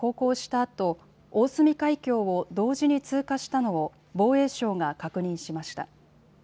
あと大隅海峡を同時に通過したのを防衛省が確認しました。